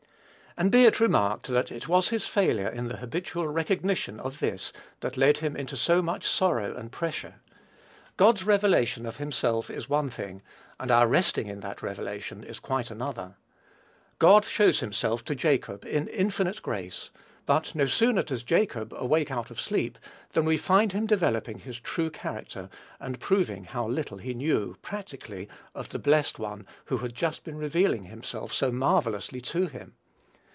And, be it remarked, that it was his failure in the habitual recognition of this that led him into so much sorrow and pressure. God's revelation of himself is one thing, and our resting in that revelation is quite another. God shows himself to Jacob, in infinite grace; but no sooner does Jacob awake out of sleep, than we find him developing his true character, and proving how little he knew, practically, of the blessed One who had just been revealing himself so marvellously to him.